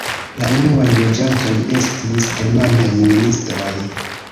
La unuaj loĝantoj estis germanaj ministoj.